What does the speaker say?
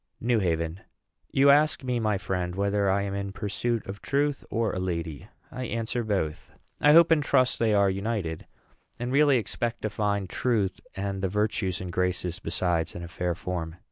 NEW HAVEN. You ask me, my friend, whether I am in pursuit of truth, or a lady. I answer, Both. I hope and trust they are united, and really expect to find Truth, and the Virtues and Graces besides, in a fair form.